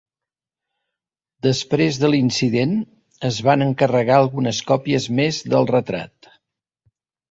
Després de l'incident, es van encarregar algunes còpies més del retrat.